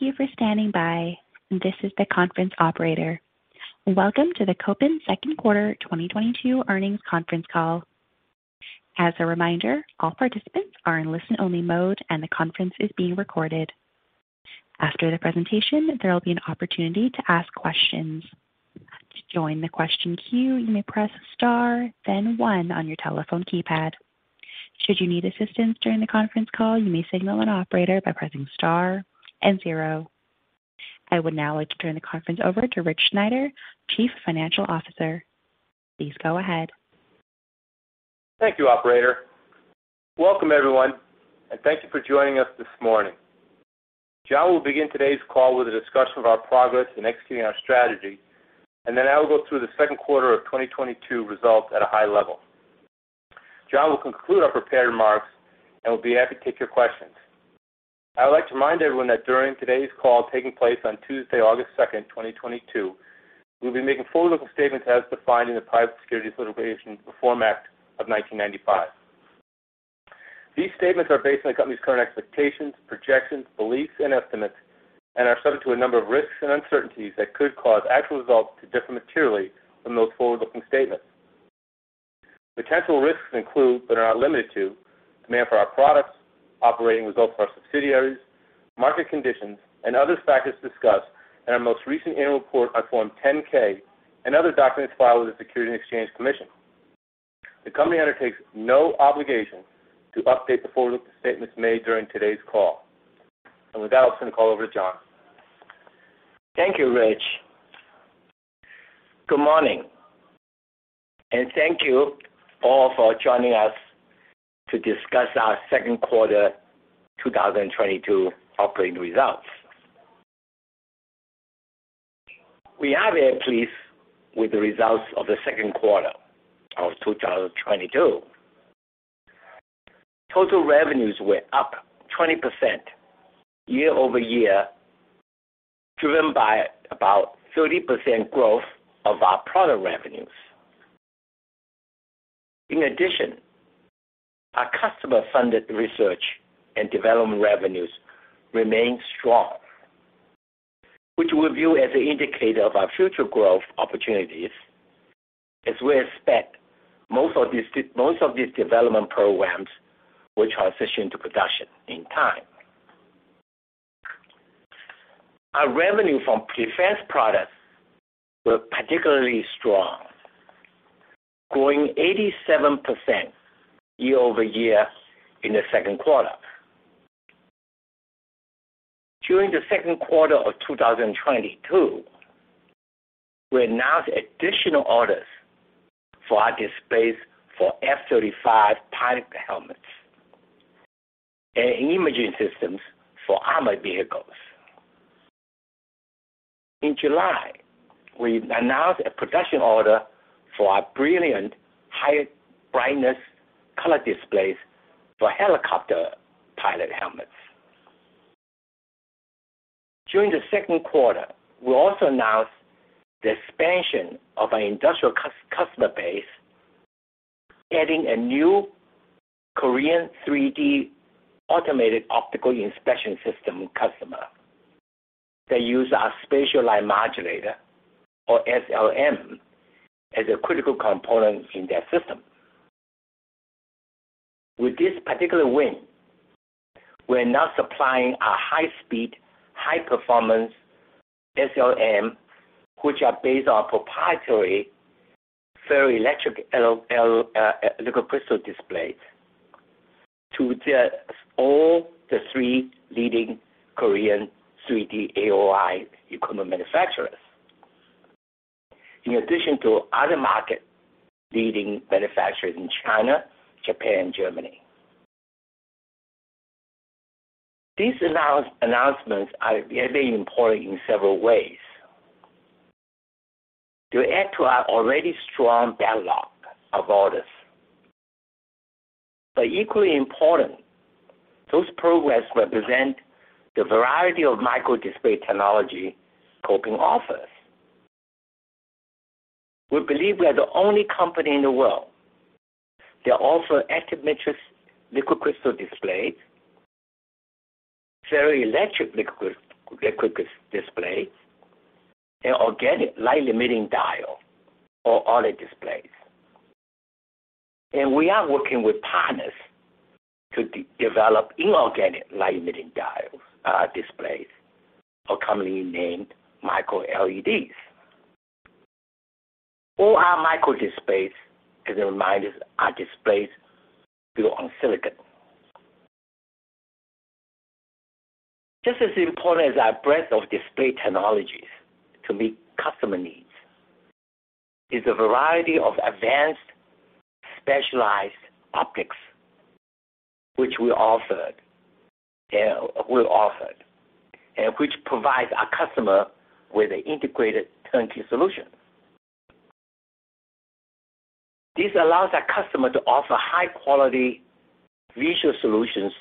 Thank you for standing by. This is the conference operator. Welcome to the Kopin second quarter 2022 earnings conference call. As a reminder, all participants are in listen-only mode, and the conference is being recorded. After the presentation, there will be an opportunity to ask questions. To join the question queue, you may press Star, then one on your telephone keypad. Should you need assistance during the conference call, you may signal an operator by pressing Star and zero. I would now like to turn the conference over to Rich Sneider, Chief Financial Officer. Please go ahead. Thank you, operator. Welcome, everyone, and thank you for joining us this morning. John will begin today's call with a discussion of our progress in executing our strategy, and then I will go through the second quarter of 2022 results at a high level. John will conclude our prepared remarks, and we'll be happy to take your questions. I would like to remind everyone that during today's call taking place on Tuesday, August 2, 2022, we'll be making forward-looking statements as defined in the Private Securities Litigation Reform Act of 1995. These statements are based on the company's current expectations, projections, beliefs, and estimates, and are subject to a number of risks and uncertainties that could cause actual results to differ materially from those forward-looking statements. Potential risks include, but are not limited to, demand for our products, operating results for our subsidiaries, market conditions, and other factors discussed in our most recent annual report on Form 10-K and other documents filed with the Securities and Exchange Commission. The company undertakes no obligation to update the forward-looking statements made during today's call. With that, I'll turn the call over to John. Thank you, Rich. Good morning, and thank you all for joining us to discuss our second quarter 2022 operating results. We are very pleased with the results of the second quarter of 2022. Total revenues were up 20% year-over-year, driven by about 30% growth of our product revenues. In addition, our customer-funded research and development revenues remain strong, which we view as an indicator of our future growth opportunities as we expect most of these development programs, which are positioned to production in time. Our revenue from defense products were particularly strong, growing 87% year-over-year in the second quarter. During the second quarter of 2022, we announced additional orders for our displays for F-35 pilot helmets and imaging systems for armored vehicles. In July, we announced a production order for our Brillian high-brightness color displays for helicopter pilot helmets. During the second quarter, we also announced the expansion of our industrial customer base, adding a new Korean 3D automated optical inspection system customer. They use our spatial light modulator or SLM as a critical component in their system. With this particular win, we're now supplying our high-speed, high-performance SLM, which are based on proprietary ferroelectric liquid crystal displays to all three leading Korean 3D AOI equipment manufacturers in addition to other market-leading manufacturers in China, Japan, Germany. These announcements are very important in several ways. To add to our already strong backlog of orders, but equally important, those programs represent the variety of microdisplay technology Kopin offers. We believe we are the only company in the world that offer active matrix liquid crystal displays, ferroelectric liquid displays, and organic light-emitting diode or OLED displays. We are working with partners to develop inorganic light-emitting diodes, displays, or commonly named MicroLEDs. All our microdisplays, as a reminder, are displays built on silicon. Just as important as our breadth of display technologies to meet customer needs is a variety of advanced specialized optics which we offer, and which provides our customer with an integrated turnkey solution. This allows our customer to offer high-quality visual solutions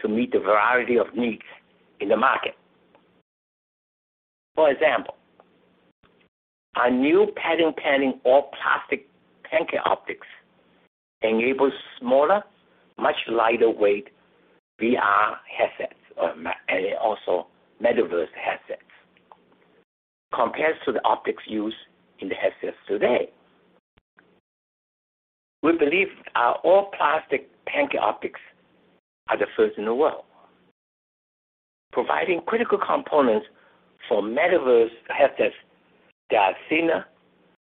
to meet the variety of needs in the market. For example, our new patent-pending all plastic Pancake optics enables smaller, much lighter weight VR headsets and also metaverse headsets compared to the optics used in the headsets today. We believe our all plastic Pancake optics are the first in the world. Providing critical components for metaverse headsets that are thinner,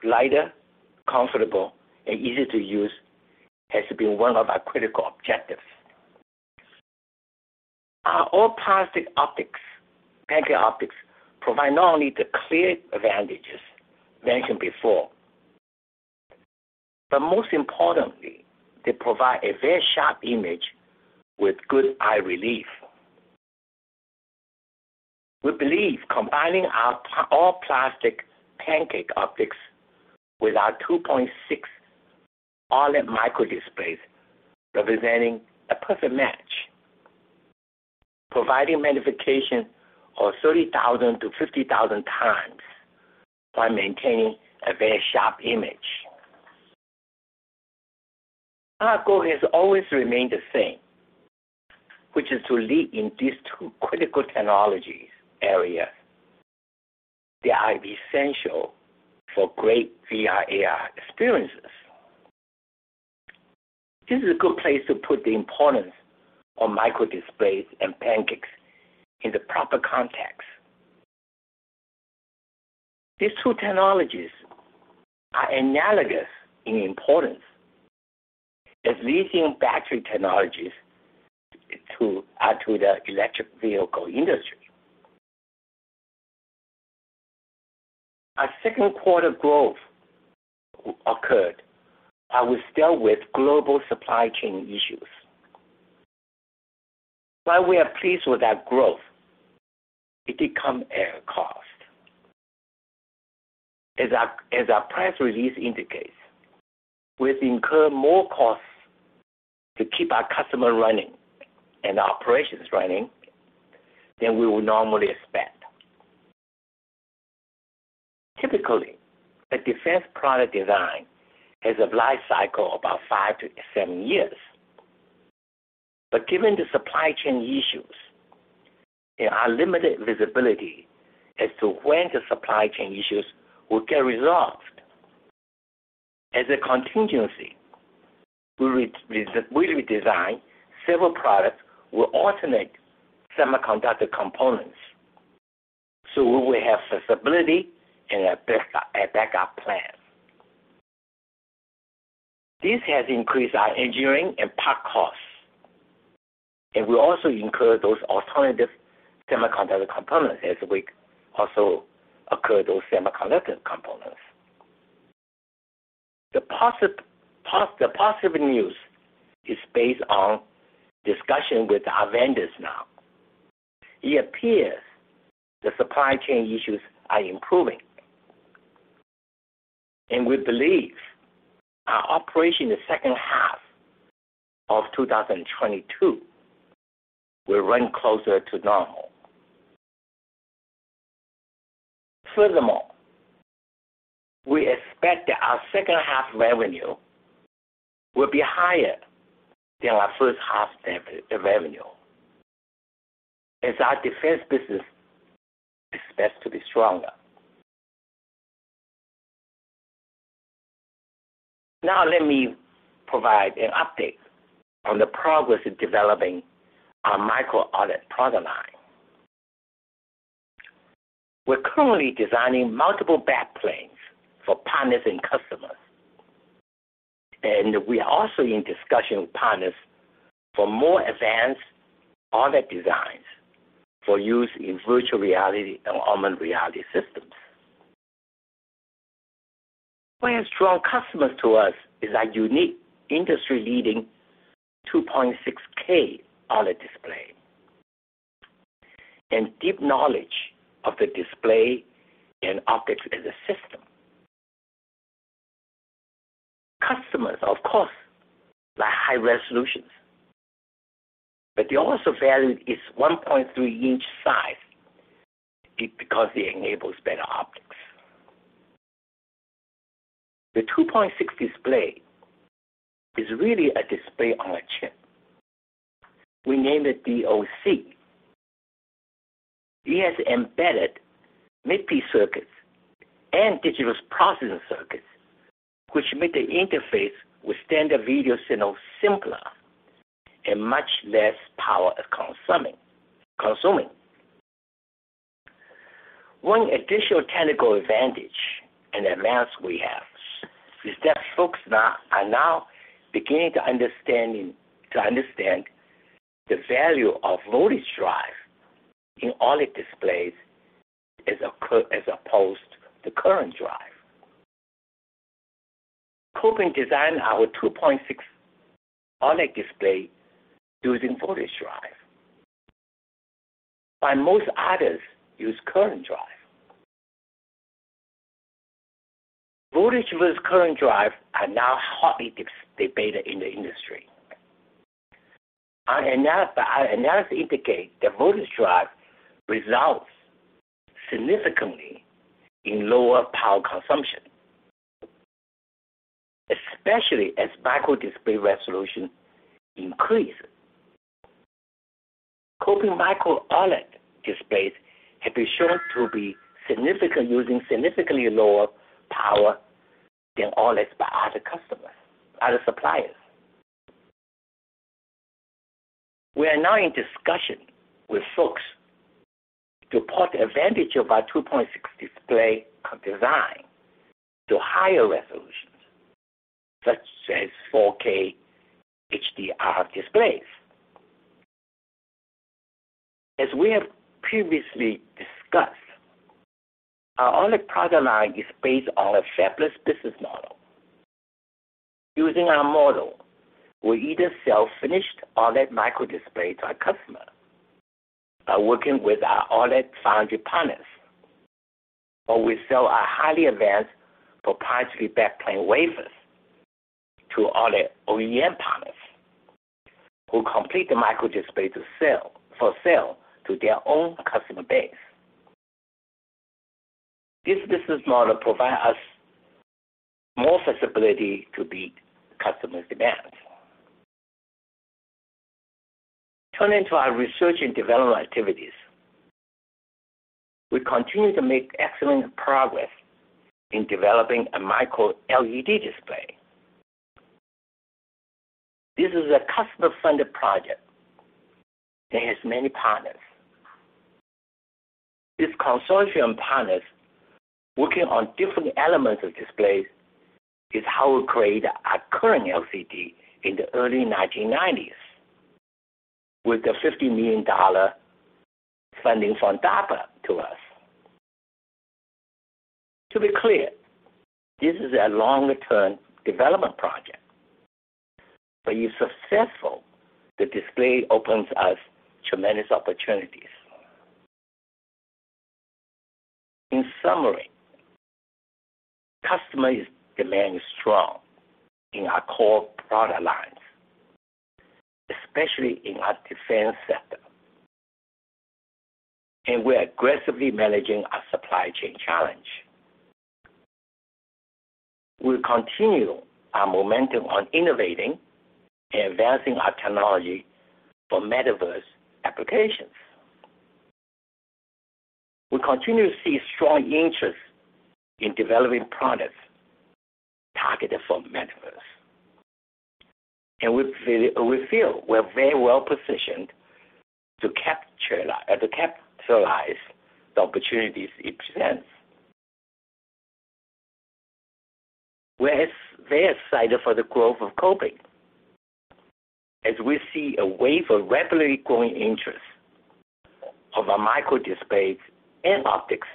lighter, comfortable, and easy to use has been one of our critical objectives. Our all plastic optics, Pancake optics, provide not only the clear advantages mentioned before, but most importantly, they provide a very sharp image with good eye relief. We believe combining our all plastic Pancake optics with our 2.6K OLED microdisplays, representing a perfect match, providing magnification of 30,000-50,000 times while maintaining a very sharp image. Our goal has always remained the same, which is to lead in these two critical technologies areas. They are essential for great VR/AR experiences. This is a good place to put the importance of microdisplays and Pancakes in the proper context. These two technologies are analogous in importance as lithium battery technologies to the electric vehicle industry. Our second quarter growth occurred, and we're still with global supply chain issues. While we are pleased with that growth, it did come at a cost. As our press release indicates, we've incurred more costs to keep our customer running and our operations running than we would normally expect. Typically, a defense product design has a life cycle about 5-7 years. Given the supply chain issues and our limited visibility as to when the supply chain issues will get resolved, as a contingency, we redesigned several products with alternate semiconductor components so we will have flexibility and a backup plan. This has increased our engineering and part costs, and we also incur costs for those alternative semiconductor components as we acquire those semiconductor components. The positive news is based on discussion with our vendors now. It appears the supply chain issues are improving, and we believe our operation in the second half of 2022 will run closer to normal. Furthermore, we expect that our second half revenue will be higher than our first half revenue as our defense business is set to be stronger. Now, let me provide an update on the progress of developing our micro OLED product line. We're currently designing multiple backplanes for partners and customers, and we're also in discussion with partners for more advanced OLED designs for use in virtual reality and augmented reality systems. What has drawn customers to us is our unique industry-leading 2.6K OLED display and deep knowledge of the display and optics as a system. Customers, of course, like high resolutions, but they also value its 1.3-inch size because it enables better optics. The 2.6 display is really a display on a chip. We named it DoC. It has embedded MIPI circuits and digital processing circuits, which make the interface with standard video signals simpler and much less power consuming. One additional technical advantage and advance we have is that folks are now beginning to understand the value of voltage drive in OLED displays as opposed to current drive. Kopin designed our 2.6 OLED display using voltage drive, while most others use current drive. Voltage versus current drive are now hotly debated in the industry. Our analysis indicate that voltage drive results significantly in lower power consumption, especially as microdisplay resolution increases. Kopin micro OLED displays have been shown to be using significantly lower power than OLEDs by other customers, other suppliers. We are now in discussion with folks to put the advantage of our 2.6 display design to higher resolutions, such as 4K HDR displays. As we have previously discussed, our OLED product line is based on a fabless business model. Using our model, we either sell finished OLED microdisplay to our customer by working with our OLED foundry partners, or we sell our highly advanced proprietary backplane wafers to OLED OEM partners who complete the microdisplay for sale to their own customer base. This business model provide us more flexibility to meet customer demands. Turning to our research and development activities. We continue to make excellent progress in developing a microLED display. This is a customer-funded project that has many partners. These consortium partners working on different elements of displays is how we created our current LCD in the early 1990s, with the $50 million funding from DARPA to us. To be clear, this is a long-term development project, but if successful, the display opens us tremendous opportunities. In summary, customers' demand is strong in our core product lines, especially in our defense sector. We're aggressively managing our supply chain challenge. We'll continue our momentum on innovating and advancing our technology for Metaverse applications. We continue to see strong interest in developing products targeted for Metaverse. We feel we're very well-positioned to capitalize the opportunities it presents. We're very excited for the growth of Kopin as we see a wave of rapidly growing interest in our microdisplays and optics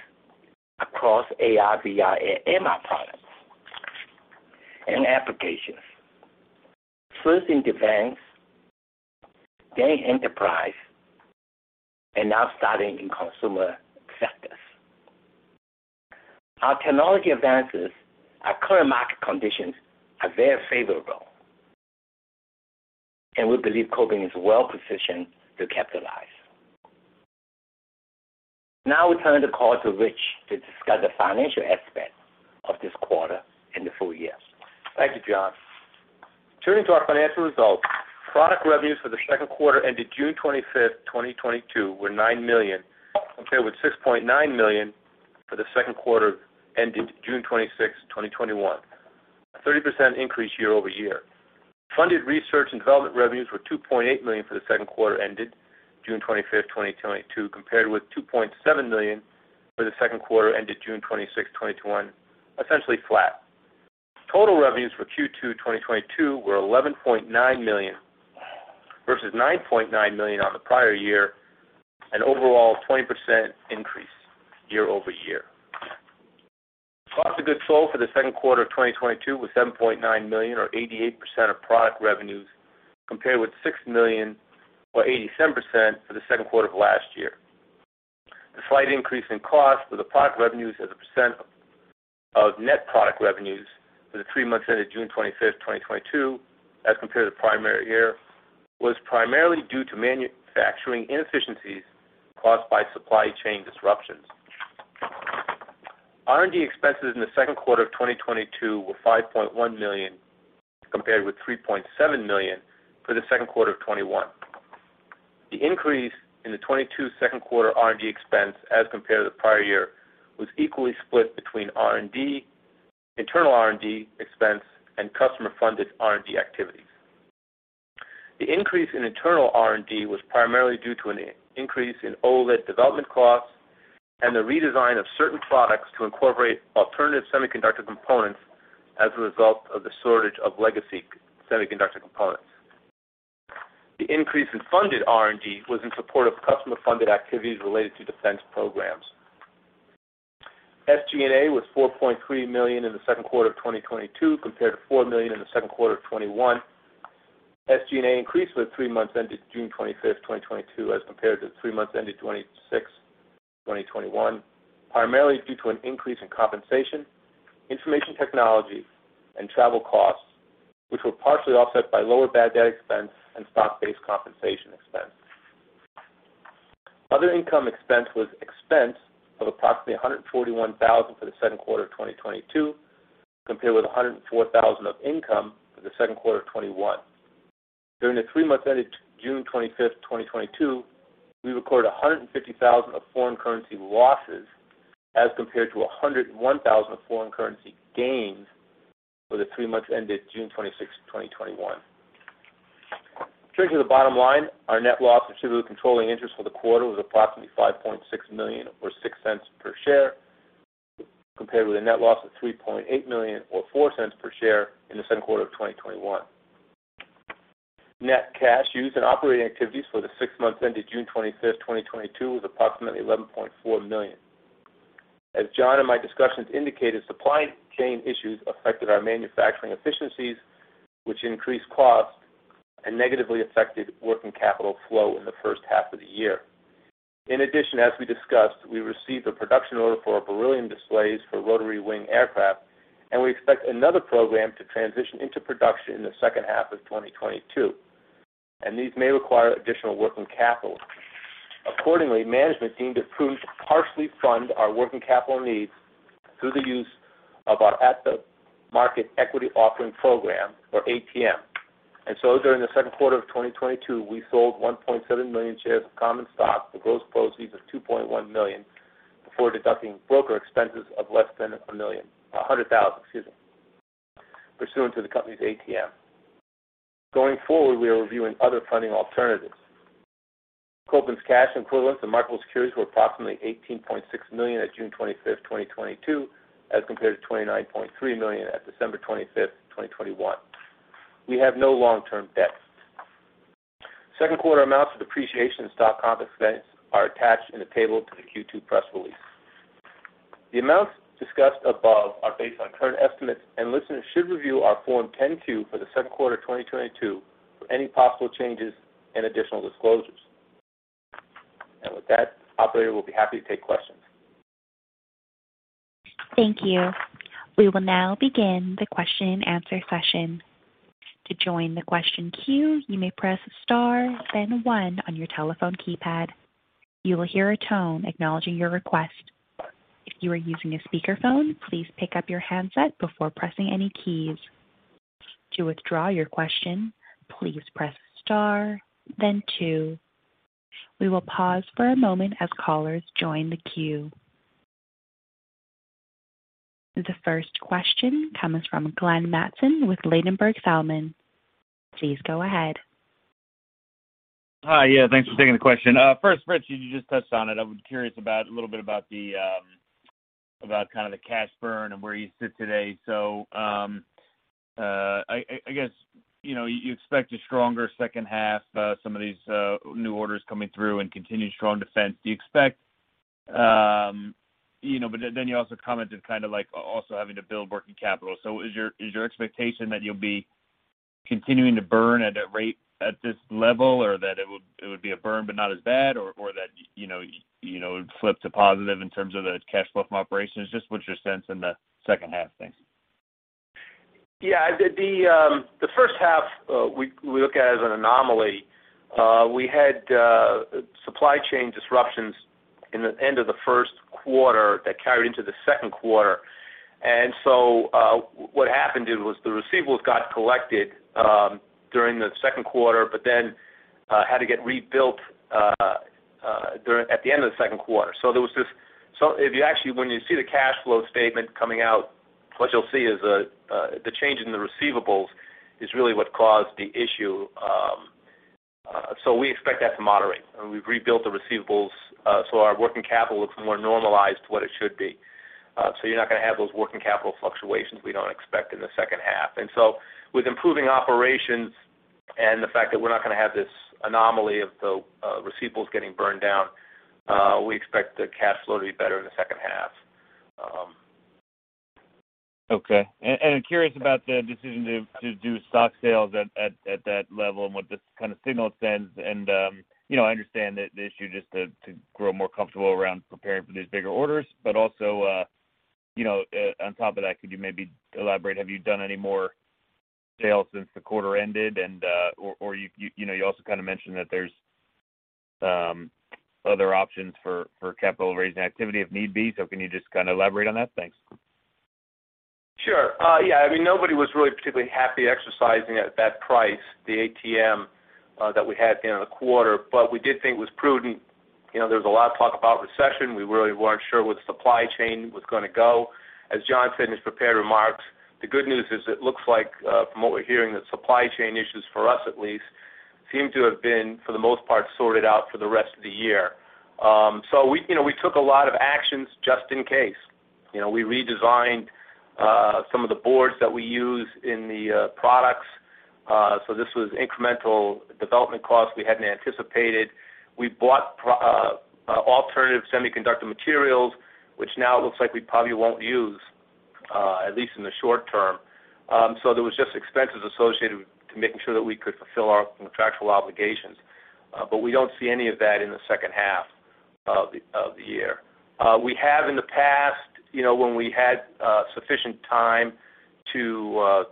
across AR, VR, and MR products and applications, first in defense, then enterprise, and now starting in consumer sectors. Our technology advances, our current market conditions are very favorable, and we believe Kopin is well-positioned to capitalize. Now we turn the call to Rich to discuss the financial aspect of this quarter and the full year. Thank you, John. Turning to our financial results. Product revenues for the second quarter ended June 25, 2022 were $9 million, compared with $6.9 million for the second quarter ended June 26, 2021. A 30% increase year-over-year. Funded research and development revenues were $2.8 million for the second quarter ended June 25, 2022, compared with $2.7 million for the second quarter ended June 26, 2021, essentially flat. Total revenues for Q2 2022 were $11.9 million versus $9.9 million on the prior year, an overall 20% increase year-over-year. Cost of goods sold for the second quarter of 2022 was $7.9 million or 88% of product revenues, compared with $6 million or 87% for the second quarter of last year. The slight increase in cost for the product revenues as a % of net product revenues for the three months ended June 25, 2022, as compared to the prior year, was primarily due to manufacturing inefficiencies caused by supply chain disruptions. R&D expenses in the second quarter of 2022 were $5.1 million, compared with $3.7 million for the second quarter of 2021. The increase in the 2022 second quarter R&D expense as compared to the prior year was equally split between R&D, internal R&D expense, and customer-funded R&D activities. The increase in internal R&D was primarily due to an increase in OLED development costs and the redesign of certain products to incorporate alternative semiconductor components as a result of the shortage of legacy semiconductor components. The increase in funded R&D was in support of customer-funded activities related to defense programs. SG&A was $4.3 million in the second quarter of 2022, compared to $4 million in the second quarter of 2021. SG&A increased for the three months ended June 25, 2022, as compared to the three months ended June 26, 2021, primarily due to an increase in compensation, information technology, and travel costs, which were partially offset by lower bad debt expense and stock-based compensation expense. Other income/expense was an expense of approximately $141 thousand for the second quarter of 2022, compared with $104 thousand of income for the second quarter of 2021. During the three months ended June 25, 2022, we recorded $150 thousand of foreign currency losses as compared to $101 thousand of foreign currency gains for the three months ended June 26, 2021. Turning to the bottom line, our net loss attributable to controlling interest for the quarter was approximately $5.6 million or $0.06 per share, compared with a net loss of $3.8 million or $0.04 per share in the second quarter of 2021. Net cash used in operating activities for the six months ended June 25, 2022 was approximately $11.4 million. As John and my discussions indicated, supply chain issues affected our manufacturing efficiencies, which increased costs and negatively affected working capital flow in the first half of the year. In addition, as we discussed, we received a production order for our Brillian displays for rotary wing aircraft, and we expect another program to transition into production in the second half of 2022, and these may require additional working capital. Accordingly, management deemed it prudent to partially fund our working capital needs through the use of our at-the-market equity offering program, or ATM. During the second quarter of 2022, we sold 1.7 million shares of common stock for gross proceeds of $2.1 million before deducting broker expenses of $100,000, excuse me, pursuant to the company's ATM. Going forward, we are reviewing other funding alternatives. Kopin's cash equivalents and marketable securities were approximately $18.6 million at June 25, 2022, as compared to $29.3 million at December 25, 2021. We have no long-term debt. Second quarter amounts of depreciation and stock comp expense are attached in a table to the Q2 press release. The amounts discussed above are based on current estimates, and listeners should review our Form 10-Q for the second quarter of 2022 for any possible changes and additional disclosures. With that, operator, we'll be happy to take questions. Thank you. We will now begin the question-and-answer session. To join the question queue, you may press star then one on your telephone keypad. You will hear a tone acknowledging your request. If you are using a speakerphone, please pick up your handset before pressing any keys. To withdraw your question, please press star then two. We will pause for a moment as callers join the queue. The first question comes from Glenn Mattson with Ladenburg Thalmann. Please go ahead. Hi. Yeah, thanks for taking the question. First, Rich, you just touched on it. I'm curious about a little bit about kind of the cash burn and where you sit today. I guess you know you expect a stronger second half, some of these new orders coming through and continued strong defense. Do you expect you know but then you also commented kind of like also having to build working capital. Is your expectation that you'll be continuing to burn at a rate at this level or that it would be a burn but not as bad or that you know it would flip to positive in terms of the cash flow from operations? Just what's your sense in the second half? Thanks. Yeah. The first half we look at as an anomaly. We had supply chain disruptions in the end of the first quarter that carried into the second quarter. What happened is the receivables got collected during the second quarter but then had to get rebuilt at the end of the second quarter. When you see the cash flow statement coming out, what you'll see is the change in the receivables is really what caused the issue. We expect that to moderate. We've rebuilt the receivables, so our working capital looks more normalized to what it should be. You're not gonna have those working capital fluctuations we don't expect in the second half. With improving operations and the fact that we're not gonna have this anomaly of the receivables getting burned down, we expect the cash flow to be better in the second half. Okay. I'm curious about the decision to do stock sales at that level and what kind of signal it sends. You know, I understand that it's just to grow more comfortable around preparing for these bigger orders. Also, you know, on top of that, could you maybe elaborate? Have you done any more sales since the quarter ended, or you know, you also kind of mentioned that there's other options for capital raising activity if need be. Can you just kind of elaborate on that? Thanks. Sure. Yeah. I mean, nobody was really particularly happy exercising at that price, the ATM, that we had at the end of the quarter. We did think it was prudent. You know, there was a lot of talk about recession. We really weren't sure where the supply chain was gonna go. As John said in his prepared remarks, the good news is it looks like, from what we're hearing, the supply chain issues for us at least seem to have been, for the most part, sorted out for the rest of the year. So we, you know, we took a lot of actions just in case. You know, we redesigned, some of the boards that we use in the, products. So this was incremental development costs we hadn't anticipated. We bought alternative semiconductor materials, which now looks like we probably won't use. At least in the short term. There was just expenses associated with making sure that we could fulfill our contractual obligations. We don't see any of that in the second half of the year. We have in the past, you know, when we had sufficient time to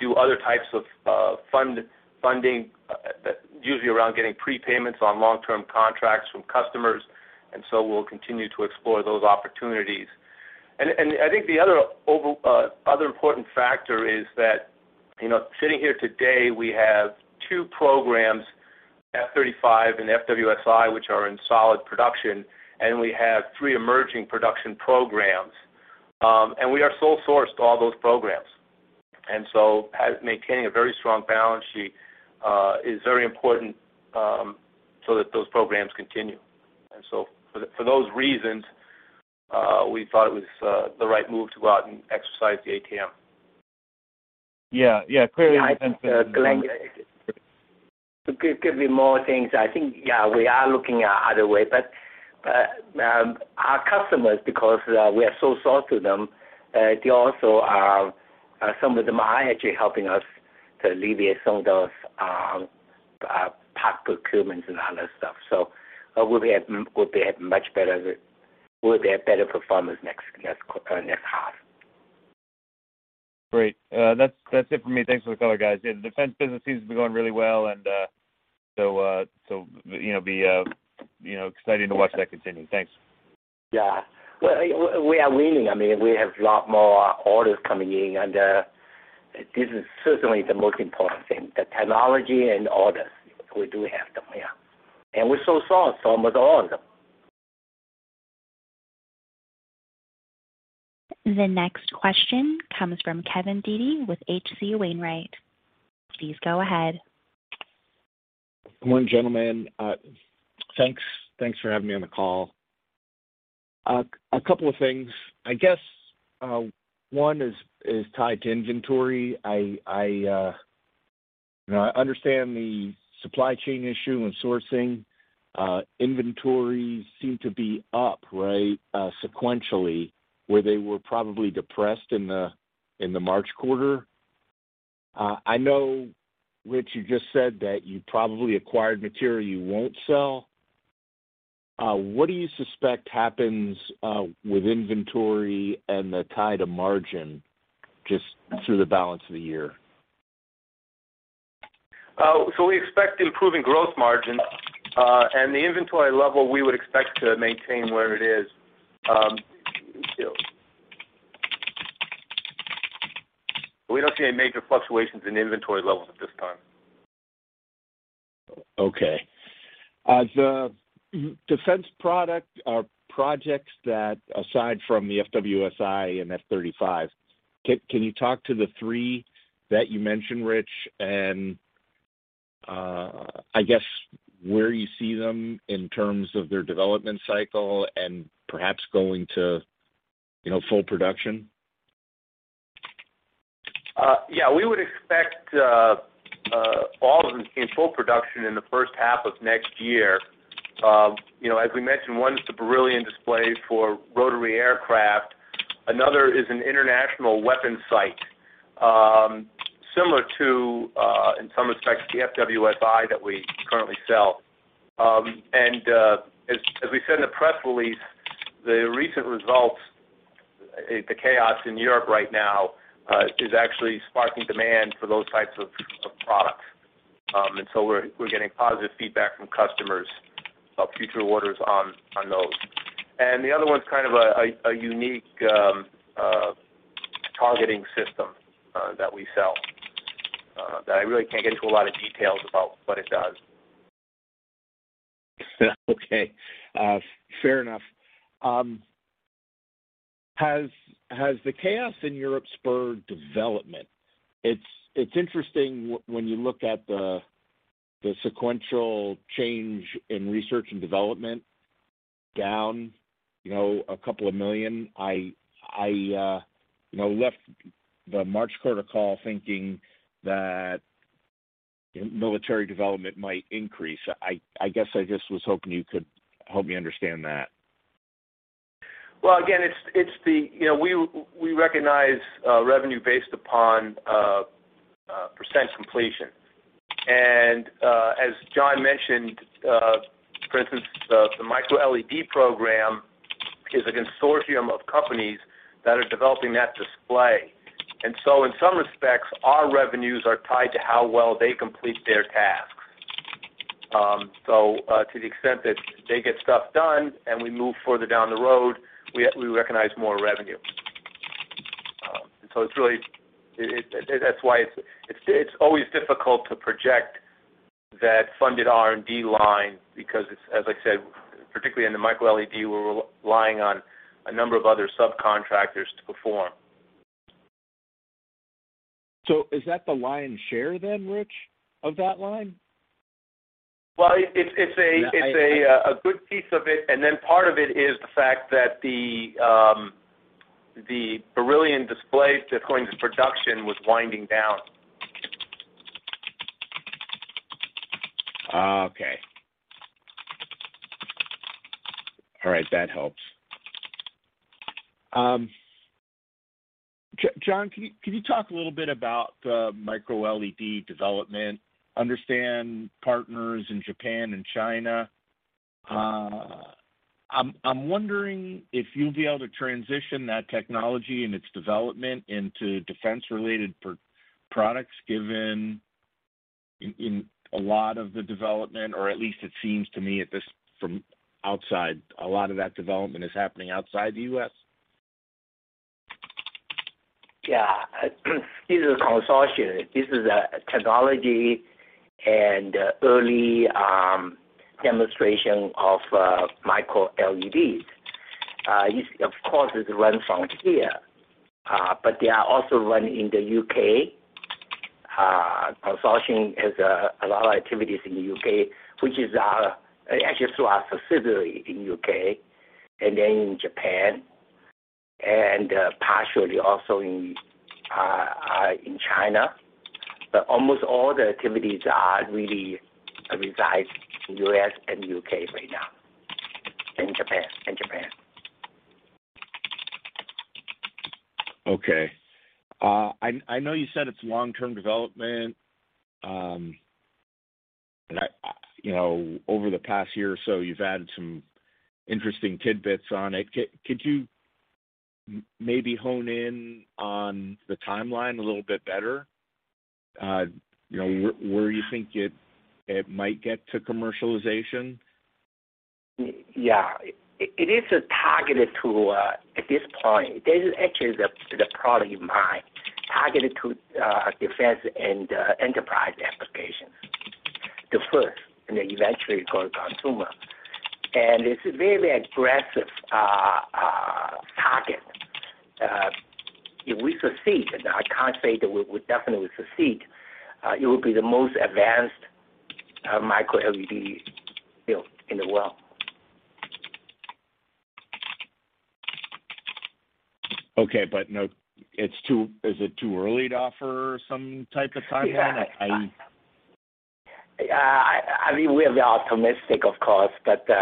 do other types of funding, usually around getting prepayments on long-term contracts from customers, and so we'll continue to explore those opportunities. I think the other important factor is that, you know, sitting here today, we have two programs, F-35 and FWS-I, which are in solid production, and we have three emerging production programs. We are sole source to all those programs. Maintaining a very strong balance sheet is very important so that those programs continue. For those reasons, we thought it was the right move to go out and exercise the ATM. Yeah. Clearly. Yeah, I think, Glenn, to give you more things, I think, yeah, we are looking at other ways, but our customers, because we are sole source out to them, they also are some of them are actually helping us to alleviate some of those parts procurements and all that stuff. So we'll have much better performance next half. Great. That's it for me. Thanks for the color, guys. Yeah, the defense business seems to be going really well, and so you know exciting to watch that continue. Thanks. Yeah. Well, we are winning. I mean, we have a lot more orders coming in, and this is certainly the most important thing, the technology and orders. We do have them, yeah. We're sole source, some of the orders. The next question comes from Kevin Dede with H.C. Wainwright. Please go ahead. Good morning, gentlemen. Thanks for having me on the call. A couple of things. I guess one is tied to inventory. You know, I understand the supply chain issue and sourcing. Inventories seem to be up, right, sequentially, where they were probably depressed in the March quarter. I know, Rich, you just said that you probably acquired material you won't sell. What do you suspect happens with inventory and the tie to margin just through the balance of the year? We expect improving growth margin, and the inventory level we would expect to maintain where it is. We don't see any major fluctuations in inventory levels at this time. The defense product or projects that aside from the FWS-I and F-35, can you talk to the three that you mentioned, Rich, and I guess where you see them in terms of their development cycle and perhaps going to, you know, full production? Yeah. We would expect all of them in full production in the first half of next year. You know, as we mentioned, one is the Brillian display for rotary aircraft. Another is an international weapon sight, similar to, in some respects, the FWS-I that we currently sell. As we said in the press release, the recent unrest, the chaos in Europe right now, is actually sparking demand for those types of products. We're getting positive feedback from customers on future orders on those. The other one's kind of a unique targeting system that we sell that I really can't get into a lot of details about what it does. Okay. Fair enough. Has the chaos in Europe spurred development? It's interesting when you look at the sequential change in research and development down $2 million. You know, I left the March quarter call thinking that military development might increase. I guess I just was hoping you could help me understand that. Well, again, you know, we recognize revenue based upon percentage completion. As John mentioned, for instance, the MicroLED program is a consortium of companies that are developing that display. So in some respects, our revenues are tied to how well they complete their tasks. To the extent that they get stuff done and we move further down the road, we recognize more revenue. It's really. That's why it's always difficult to project that funded R&D line because, as I said, particularly in the MicroLED, we're relying on a number of other subcontractors to perform. Is that the lion's share then, Rich, of that line? Well, it's a good piece of it, and then part of it is the fact that the Brillian display that's going to production was winding down. Okay. All right, that helps. John, can you talk a little bit about the MicroLED development and our partners in Japan and China? I'm wondering if you'll be able to transition that technology and its development into defense-related products, given that a lot of the development, or at least it seems to me from the outside, a lot of that development is happening outside the US. Yeah. This is a consortium. This is a technology and early demonstration of MicroLEDs. This, of course, is run from here, but they are also run in the U.K. Consortium has a lot of activities in the U.K., which is our, actually through our facility in U.K. and then in Japan, and partially also in China. Almost all the activities are really reside in U.S. and U.K. right now, and Japan. Okay. I know you said it's long-term development, but I, you know, over the past year or so, you've added some interesting tidbits on it. Could you maybe hone in on the timeline a little bit better, you know, where you think it might get to commercialization? Yeah. It is targeted to, at this point, this is actually the product in mind, targeted to, defense and enterprise applications. The first, and then eventually go to consumer. It's a very aggressive target. If we succeed, and I can't say that we definitely succeed, it will be the most advanced MicroLED built in the world. Is it too early to offer some type of timeline? Yeah. I mean, we are optimistic, of course, but we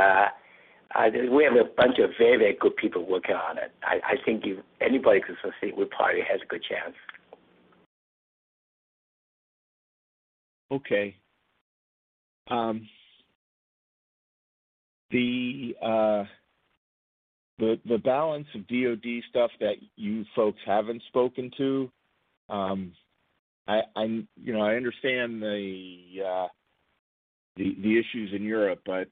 have a bunch of very good people working on it. I think if anybody could succeed, we probably have a good chance. The balance of DoD stuff that you folks haven't spoken to, you know, I understand the issues in Europe, but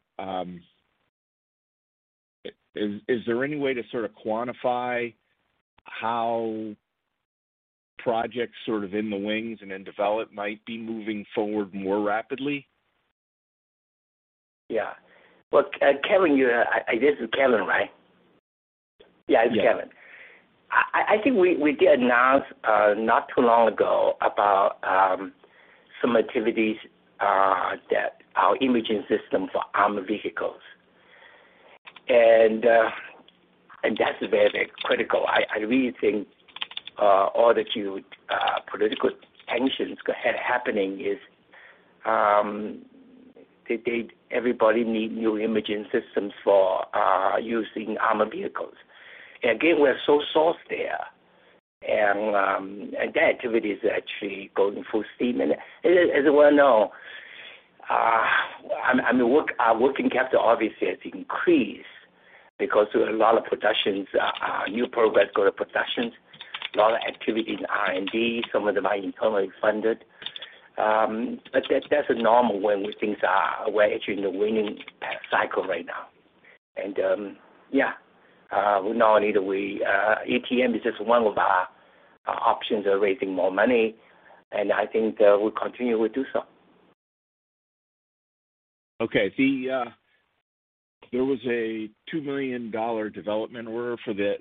is there any way to sort of quantify how projects sort of in the wings and in development might be moving forward more rapidly? Yeah. Well, Kevin, this is Kevin, right? Yeah. Yeah, it's Kevin. I think we did announce not too long ago about some activities that our imaging system for armored vehicles. That's very critical. I really think all the geopolitical tensions happening is everybody need new imaging systems for using armored vehicles. Again, we're sole sourced there. That activity is actually going full steam. As you well know, I mean, our working capital obviously has increased because there are a lot of production, new programs go to production, a lot of activity in R&D, some of them are internally funded. That's normal when we're actually in the winning cycle right now. ATM is just one of our options for raising more money, and I think we'll continue to do so. Okay. There was a $2 million development order for the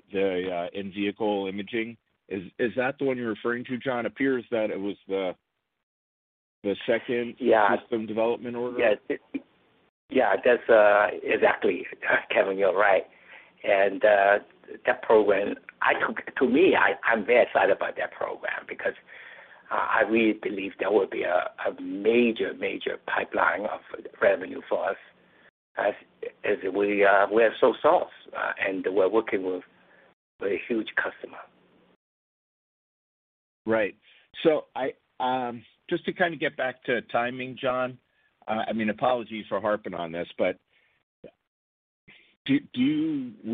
in-vehicle imaging. Is that the one you're referring to, John? It appears that it was the second. Yeah. System development order. Yes. Yeah, that's exactly. Kevin, you're right. That program, to me, I'm very excited about that program because I really believe there will be a major pipeline of revenue for us as we're so sourced and we're working with a huge customer. Right. I just to kind of get back to timing, John, I mean, apologies for harping on this, but would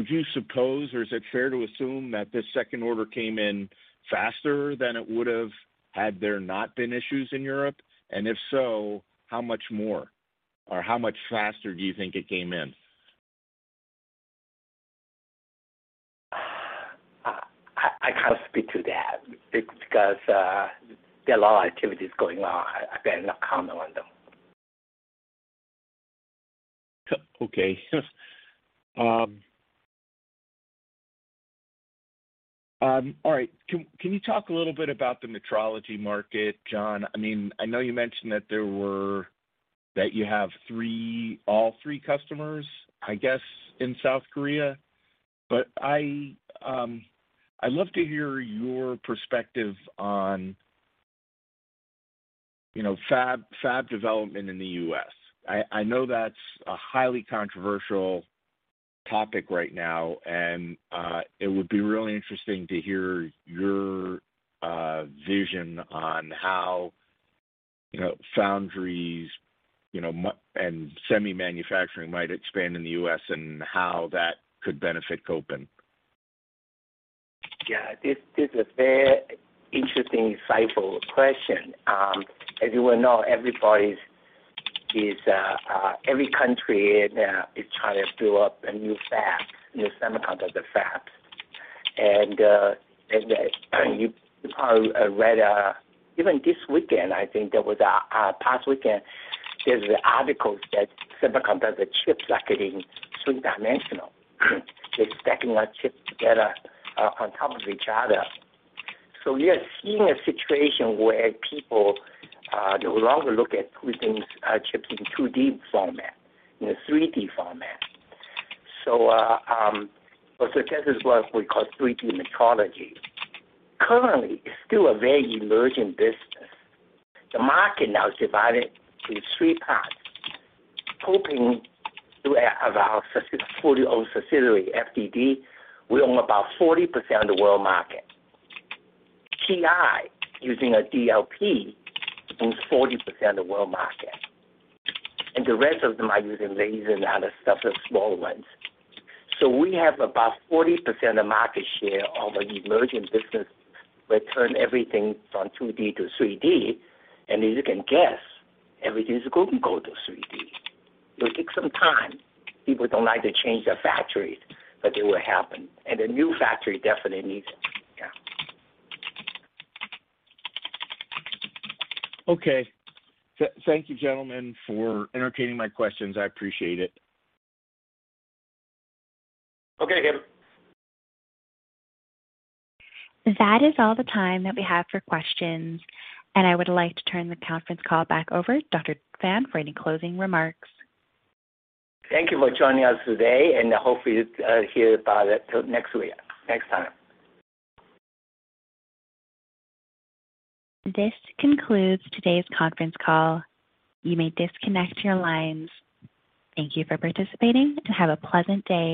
you suppose or is it fair to assume that this second order came in faster than it would have had there not been issues in Europe? If so, how much more or how much faster do you think it came in? I can't speak to that because there are a lot of activities going on. I better not comment on them. Okay. All right. Can you talk a little bit about the metrology market, John? I mean, I know you mentioned that you have three customers, I guess, in South Korea. But I'd love to hear your perspective on, you know, fab development in the US. I know that's a highly controversial topic right now, and it would be really interesting to hear your vision on how, you know, foundries and semi manufacturing might expand in the US and how that could benefit Kopin. Yeah. This is a very interesting, insightful question. As you well know, every country is trying to build up a new semiconductor fab. You probably read, even this past weekend, there are articles that semiconductor chips are getting three-dimensional. They're stacking up chips together on top of each other. We are seeing a situation where people no longer look at putting chips in 2D format, in a 3D format. This is what we call 3D metrology. Currently, it's still a very emerging business. The market now is divided into three parts. Kopin, through our fully owned facility, FDD, we own about 40% of the world market. TI, using a DLP, owns 40% of world market, and the rest of them are using laser and other stuff, the small ones. We have about 40% of market share of an emerging business which turn everything from 2D to 3D. As you can guess, everything's going to go to 3D. It will take some time. People don't like to change their factories, but it will happen. The new factory definitely needs it. Yeah. Okay. Thank you, gentlemen, for entertaining my questions. I appreciate it. Okay. That is all the time that we have for questions, and I would like to turn the conference call back over to Dr. Fan for any closing remarks. Thank you for joining us today, and hopefully hear about it till next time. This concludes today's conference call. You may disconnect your lines. Thank you for participating and have a pleasant day.